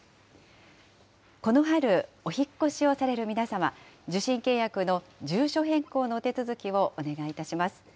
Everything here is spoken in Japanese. この春、お引っ越しをされる皆様、受信契約の住所変更のお手続きをお願いいたします。